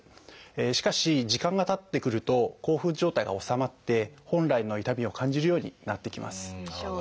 しかし時間がたってくると興奮状態が収まって本来の痛みを感じるようになってきます。